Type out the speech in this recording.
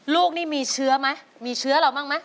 ลูกนี่มีเชื้อไหมมีเชื้อเราบ้างไหม